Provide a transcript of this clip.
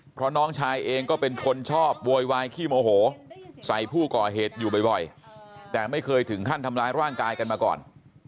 เพราะน้องชายเองก็เป็นคนชอบโวยวายขี้โมโหใส่ผู้ก่อเหตุอยู่บ่อยแต่ไม่เคยถึงขั้นทำร้ายร่างกายกันมาก่อน